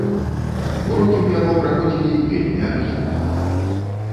Урокі ў яго праходзілі вельмі арыгінальна.